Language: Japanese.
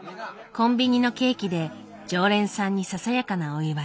コンビニのケーキで常連さんにささやかなお祝い。